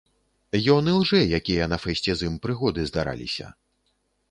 Ён ілжэ, якія на фэсце з ім прыгоды здараліся.